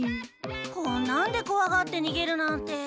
こんなんでこわがってにげるなんて。